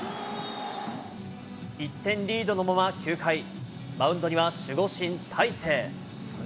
１点リードのまま９回、マウンドには守護神、大勢。